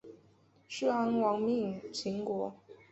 士鞅亡命秦国。